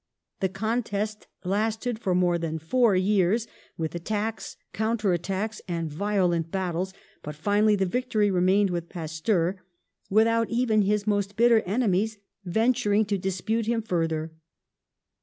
The contest lasted for more than four years, with attacks, counter attacks and violent battles, but finally the vic tory remained with Pasteur, without even his most bitter enemies venturing to dispute him further.